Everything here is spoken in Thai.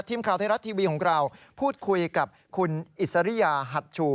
ทีมข่าวไทยรัฐทีวีของเราพูดคุยกับคุณอิสริยาหัดชู